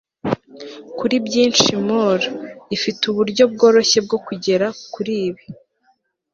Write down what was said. kuri byinshi moor ifite uburyo bworoshye bwo kugera kuri ibi